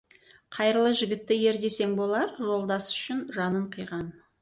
Қайырлы жігітті ер десең болар, жолдасы үшін жанын қиған.